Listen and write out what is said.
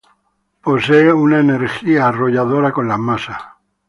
Posee una energía arrolladora con las masas.